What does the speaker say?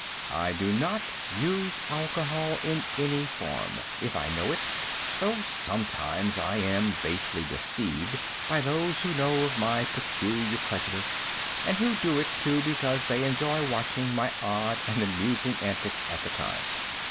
I do not use alcohol in any form, if I know it, though sometimes I am basely deceived by those who know of my peculiar prejudice, and who do it, too, because they enjoy watching my odd and amusing antics at the time.